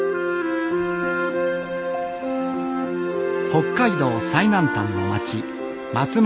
北海道最南端の町松前町。